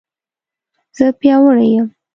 زه پیاوړې یم